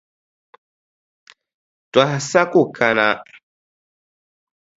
Tɔha sa ku kana.